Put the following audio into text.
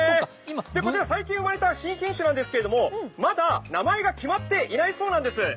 こちら最近生まれた新品種なんですけれども、まだ名前が決まっていないそうなんです。